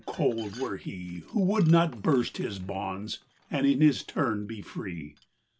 cold were he Who would not burst his bonds, and in his turn be free.